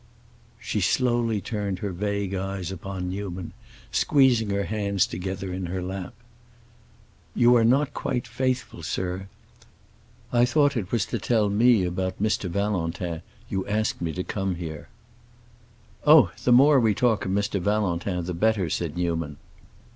She slowly turned her vague eyes upon Newman, squeezing her hands together in her lap. "You are not quite faithful, sir. I thought it was to tell me about Mr. Valentin you asked me to come here." "Oh, the more we talk of Mr. Valentin the better," said Newman.